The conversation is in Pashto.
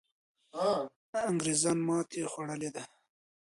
انګریزان ماتې خوړلې ده.